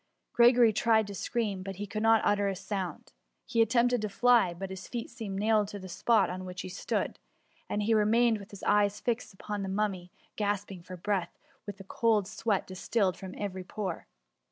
Gregory tried to scream, but he could not utter a sound. He attempted to fly, but his feet seemed nailed to the spot on which he stood, and he remained with his eyes fixed upon the Mummy, gasping for breath, while a cold sweat distilled from every pore.